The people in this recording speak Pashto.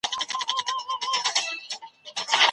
ځان وژنه بايد له ټولني ورکه سي.